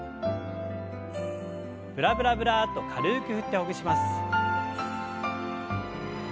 ブラブラブラッと軽く振ってほぐします。